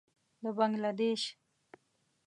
د بنګله دېش.